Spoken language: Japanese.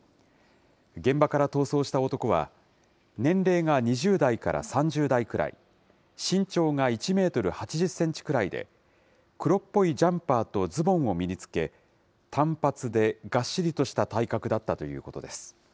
現場から逃走した男は、年齢が２０代から３０代くらい、身長が１メートル８０センチくらいで、黒っぽいジャンパーとズボンを身につけ、短髪でがっしりとした体格だったということです。